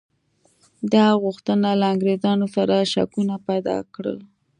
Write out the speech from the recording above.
د هغه غوښتنه له انګرېزانو سره شکونه پیدا کړل.